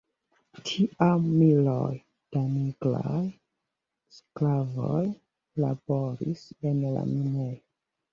Tiam miloj da nigraj sklavoj laboris en la minejoj.